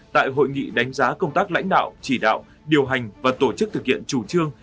tại hội nghị đánh giá công tác lãnh đạo chỉ đạo điều hành và tổ chức thực hiện chủ trương